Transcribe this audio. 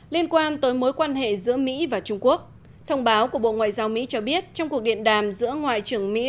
liên quan tới mối quan hệ giữa mỹ và trung quốc thông báo của bộ ngoại giao mỹ cho biết trong cuộc điện đàm giữa ngoại trưởng mỹ